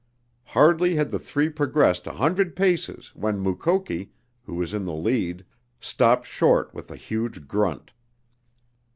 Hardly had the three progressed a hundred paces when Mukoki, who was in the lead, stopped short with a huge grunt.